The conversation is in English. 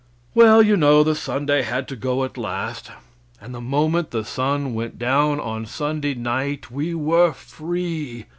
Well, you know, the Sunday had to go at last; and the moment the sun went down Sunday night we were free.